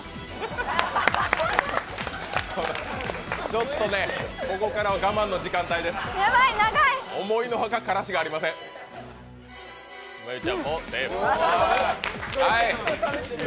ちょっとね、ここから我慢の時間帯ね。